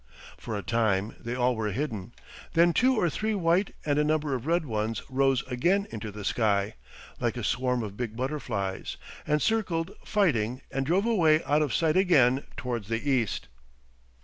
For a time they all were hidden, then two or three white and a number of red ones rose again into the sky, like a swarm of big butterflies, and circled fighting and drove away out of sight again towards the east.